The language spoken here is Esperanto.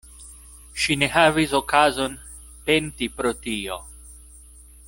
Ŝi ne havis okazon penti pro tio.